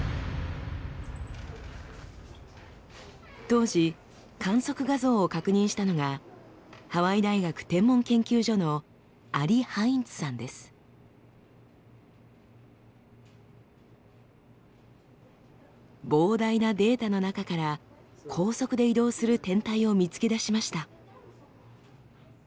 当時観測画像を確認したのが膨大なデータの中から高速で移動する天体を見つけ出しました。